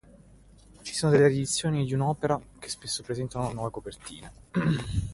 Gli sono delle riedizioni di un'opera che spesso presentano delle nuove copertine.